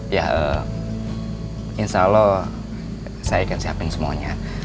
ya insya allah saya akan siapin semuanya